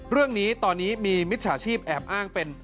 เรื่องนี้ตอนนี้มีมิจฉาชีพแอบอ้างเป็น